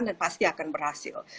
dan pasti akan berhasil